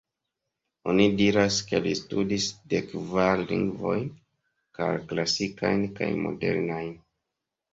Oni diras ke li studis dek kvar lingvojn, kaj klasikajn kaj modernajn.